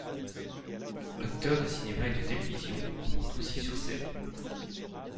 Acteur de cinéma et de télévision, il monte aussi sur scène.